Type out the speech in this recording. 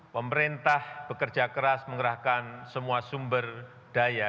pemerintah bekerja keras mengerahkan semua sumber daya